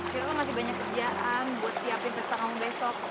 kita kan masih banyak kerjaan buat siapin pesta kamu besok